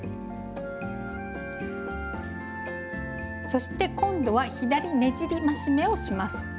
そして今度は「左ねじり増し目」をします。